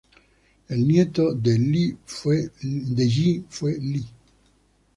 El nieto de Yi fue Li.